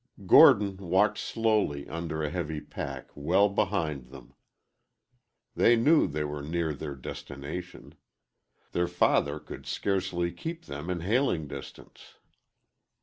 Gordon walked slowly, under a heavy pack, well behind them. They knew they were near their destination. Their father could scarcely keep them in hailing distance.